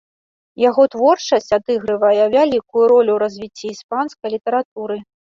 Яго творчасць адыгрывае вялікую ролю ў развіцці іспанскай літаратуры.